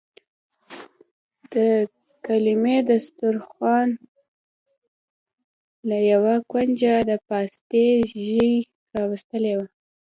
د ګيلمي دسترخوان له يوه کونجه د پاستي ژۍ راوتلې وه.